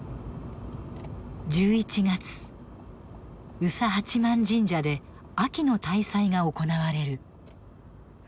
宇佐八幡神社で「秋の大祭」が行われる。